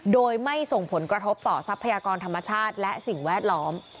โดยไม่ส่งผลกระทบต่อทรัพยากรธรรมชาติและสิ่งแวดล้อม